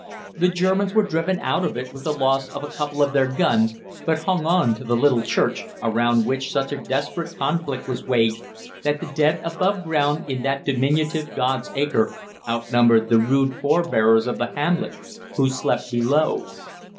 The Germans were driven out of it with the loss of a couple of their guns, but hung on to the little church, around which such a desperate conflict was waged that the dead above ground in that diminutive God's acre outnumbered the "rude forefathers of the hamlet" who slept below.